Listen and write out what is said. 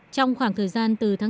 trong khoảng thời gian từ ba năm